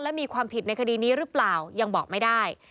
และมีความผิดในคดีนี้หรือเปล่ายังบอกไม่ได้